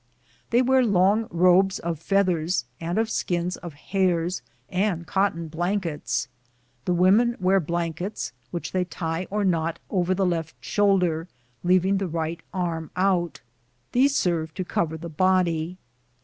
They wear long robes of feathers and of the skins of hares and cotton blankets.' The women wear blankets, which they tie or knot over the left shoulder, leaving the right arm out. These serve to cover the body.